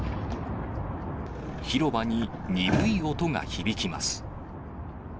広場に鈍い音が響きます。